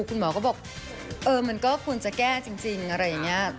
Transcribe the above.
คุณหมอก็บอกเออมันก็ควรจะแก้จริงอะไรอย่างนี้